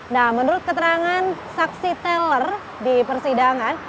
nah menurut keterangan saksi teller di persidangan